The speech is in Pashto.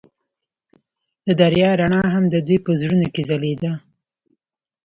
د دریا رڼا هم د دوی په زړونو کې ځلېده.